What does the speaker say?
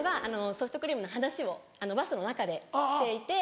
ソフトクリームの話をバスの中でしていて。